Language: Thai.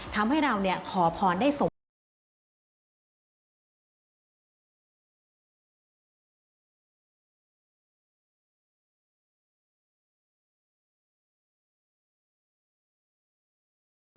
ทำให้เราขอพรได้สมบูรณ์